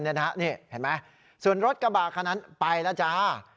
นี่เห็นไหมส่วนรถกระบะคันนั้นไปแล้วจ้า